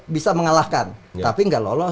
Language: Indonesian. bisa mengalahkan tapi nggak lolos